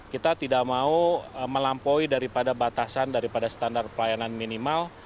kita tidak mau melampaui daripada batasan daripada standar pelayanan minimal